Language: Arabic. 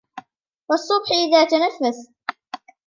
والصبح إذا تنفس